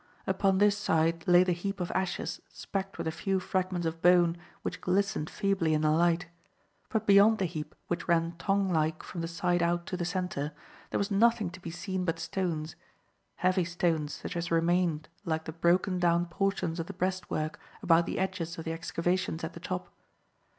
Upon this side lay the heap of ashes specked with a few fragments of bone which glistened feebly in the light, but beyond the heap which ran tongue like from the side out to the centre, there was nothing to be seen but stones heavy stones such as remained like the broken down portions of the breastwork about the edges of the excavations at the top.